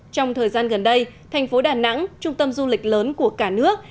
trong thời gian gần đây thành phố đà nẵng trung tâm du lịch lớn của cả nước